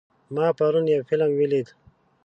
ما پرون یو فلم ولید.